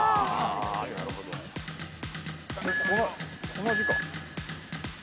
この字か？